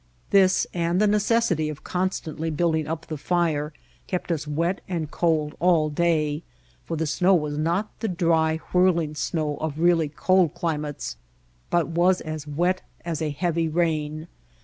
This, and the necessity of constantly building up the fire, kept us wet and cold all day, for the snow was not the dry, whirl ing snow of really cold climates, but was as wet as a heavy rain.